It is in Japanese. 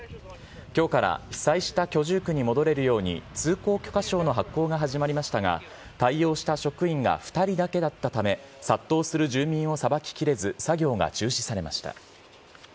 きょうから被災した居住区に戻れるように通行許可証の発行が始まりましたが、対応した職員が２人だけだったため、殺到する住民をさばききれず、作業が中止されました。